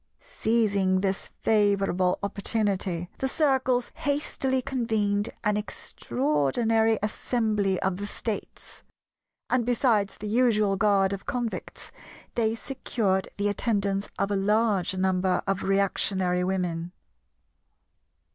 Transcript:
Seizing this favourable opportunity, the Circles hastily convened an extraordinary Assembly of the States; and besides the usual guard of Convicts, they secured the attendance of a large number of reactionary Women.